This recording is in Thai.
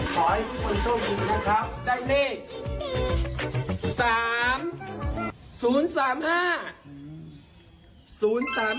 ขอให้ทุกคนโชคกับนะครับ